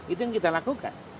itu yang kita lakukan